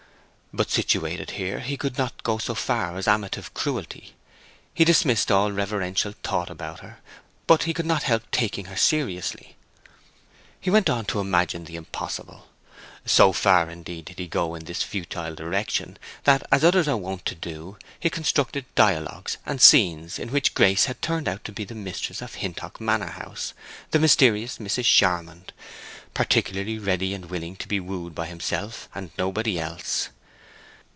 But situated here he could not go so far as amative cruelty. He dismissed all reverential thought about her, but he could not help taking her seriously. He went on to imagine the impossible. So far, indeed, did he go in this futile direction that, as others are wont to do, he constructed dialogues and scenes in which Grace had turned out to be the mistress of Hintock Manor house, the mysterious Mrs. Charmond, particularly ready and willing to be wooed by himself and nobody else.